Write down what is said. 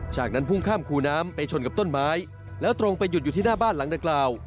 จากนั้นพุ่งข้ามคูน้ำไปชนกับต้นไม้แล้วตรงไปหยุดอยู่ที่หน้าบ้านหลังดังกล่าว